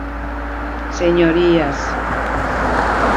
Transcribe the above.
Señorías.